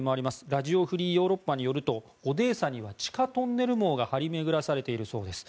ラジオ・フリー・ヨーロッパによるとオデーサには地下トンネル網が張り巡らされているそうです。